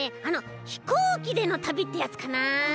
あの「飛行機でのたび」ってやつかなあ。